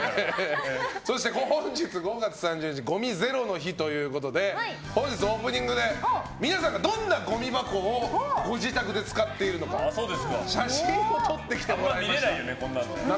そして本日５月３０日はごみゼロの日ということで本日オープニングで皆さんがどんなごみ箱をご自宅で使っているのか写真を撮ってきてもらいました。